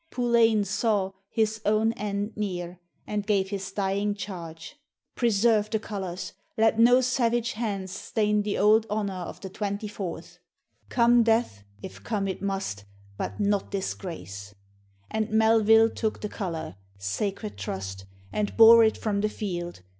PULLEINE saw His own end near, and gave his dying charge: "Preserve the COLOURS! Let no savage hands Stain the old honour of 'the 24th.' Come death, if come it must, but not disgrace!" And MELVILLE took the COLOUR, sacred trust! _And bore it from the field.